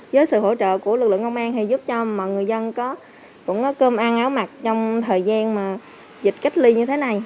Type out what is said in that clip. đến thời điểm này